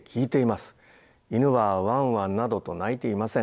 犬はワンワンなどと鳴いていません。